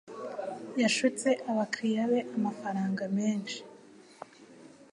Yashutse abakiriya be amafaranga menshi.